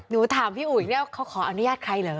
หนูถามพี่อุ๋ยเนี่ยเขาขออนุญาตใครเหรอ